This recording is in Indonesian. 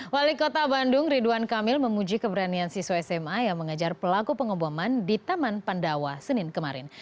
wali kota bandung ridwan kamil memuji keberanian siswa sma yang mengejar pelaku pengeboman di taman pandawa senin kemarin